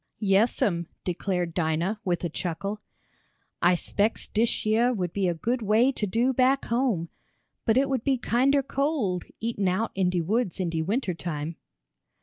"Yes'm," declared Dinah, with a chuckle. "I spects dish yeah would be a good way to do back home but it would be kinder cold, eatin' out in de woods in de winter time."